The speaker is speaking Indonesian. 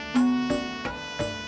tidak ada yang bisa diberikan